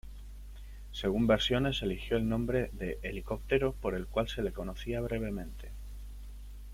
Según versiones, eligió el nombre de "helicóptero" por el cual se le conocía brevemente.